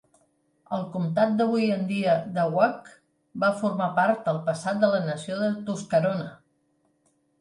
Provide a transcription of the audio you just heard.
El comptat d'avui en dia de Wake va formar part al passat de la nació de Tuscarona.